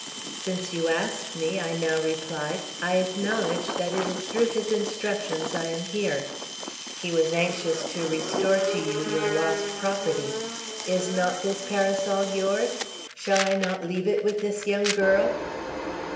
"'Since you ask me,' I now replied, 'I acknowledge that it is through his instructions I am here. He was anxious to restore to you your lost property. Is not this parasol yours? Shall I not leave it with this young girl?'